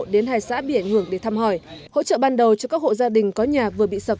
đến hai xã bị ảnh hưởng để thăm hỏi hỗ trợ ban đầu cho các hộ gia đình có nhà vừa bị sập